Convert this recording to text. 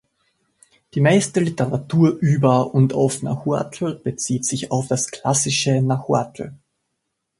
Die meiste Literatur über und auf Nahuatl bezieht sich auf das Klassische Nahuatl.